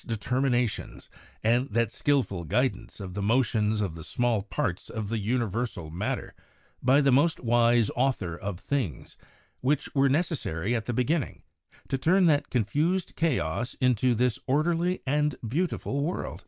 determinations, and that skilful guidance of the motions of the small parts of the universal matter by the most wise Author of things, which were necessary at the be ginning to turn that confused chaos into this orderly and beautiful world.